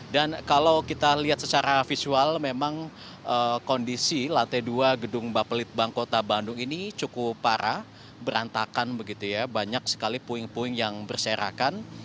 dan kalau kita lihat secara visual memang kondisi lantai dua gedung bapelitbang kota bandung ini cukup parah berantakan begitu ya banyak sekali puing puing yang berserakan